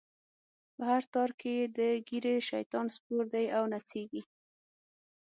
په هر تار کی یی د ږیری، شیطان سپور دی او نڅیږی